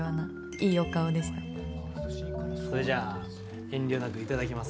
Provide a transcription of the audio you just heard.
それじゃあ遠慮なく頂きます。